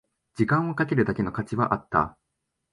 時間をかけるだけの価値はあった